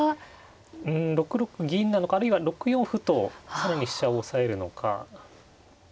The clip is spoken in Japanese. うん６六銀なのかあるいは６四歩と更に飛車を押さえるのか。